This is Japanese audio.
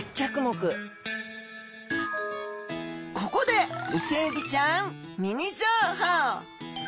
ここでイセエビちゃんミニ情報！